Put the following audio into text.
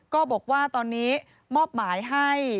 ก็บอกว่าตอนนี้มอบหมายให้